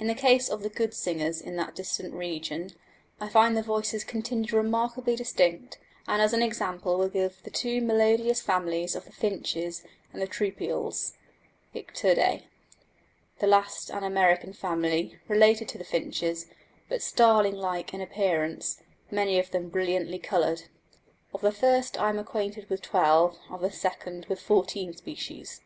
In the case of the good singers in that distant region, I find the voices continue remarkably distinct, and as an example will give the two melodious families of the finches and the troupials (Icteridae), the last an American family, related to the finches, but starling like in appearance, many of them brilliantly coloured. Of the first I am acquainted with 12 and of the second with 14 species.